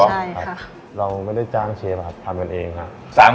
ว่าเราไม่ได้จ้างเชฟทำเองครับ